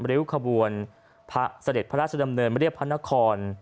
ริ้วขบวนพระเสด็จพระราชดำเนินเรียบพระนคร